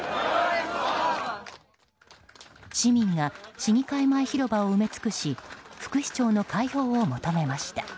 市民が市議会前広場を埋め尽くし副市長の解放を求めました。